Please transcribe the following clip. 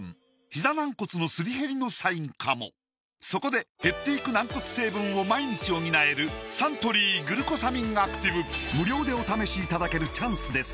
ひざ軟骨のすり減りのサインかもそこで減っていく軟骨成分を毎日補える無料でお試しいただけるチャンスです